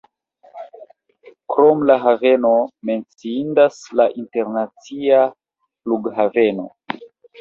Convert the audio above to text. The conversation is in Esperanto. Krom la haveno menciindas la internacia flughaveno.